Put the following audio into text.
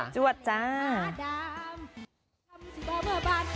จวดจ้า